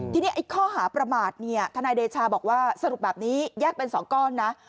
ทีนี้ข้อหาประมาทท่านไอนเดช่าบอกว่าสรุปแบบนี้แยกเป็นสองก้อนนะ